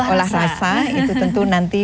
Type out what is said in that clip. olah lasa itu tentu nanti